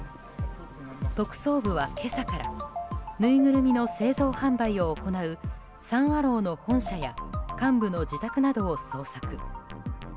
特捜部は、今朝からぬいぐるみの製造・販売を行うサン・アローの本社や幹部の自宅などを捜索。